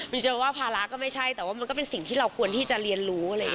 มันก็ว่าภาระก็ไม่ใช่แต่ว่ามันก็เป็นสิ่งที่เราควรที่จะเรียนรู้